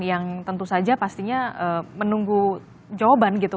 yang tentu saja pastinya menunggu jawaban gitu